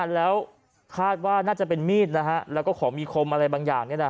แล้วคาดว่าน่าจะเป็นมีดแล้วก็ของมีคมอะไรบางอย่าง